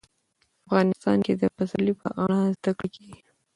افغانستان کې د پسرلی په اړه زده کړه کېږي.